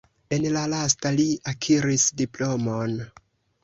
En la lasta li akiris diplomon.